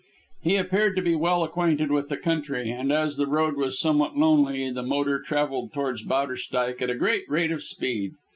He appeared to be well acquainted with the country, and as the road was somewhat lonely, the motor travelled towards Bowderstyke at a great rate of speed.